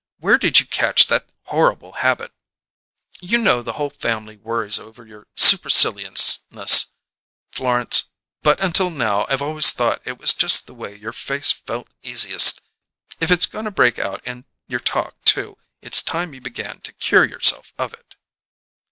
Where did you catch that horrible habit? You know the whole family worries over your superciliousness, Florence; but until now I've always thought it was just the way your face felt easiest. If it's going to break out in your talk, too, it's time you began to cure yourself of it."